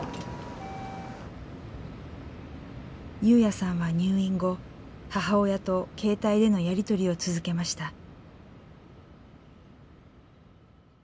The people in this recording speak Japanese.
優也さんは入院後母親と携帯でのやり取りを続けました。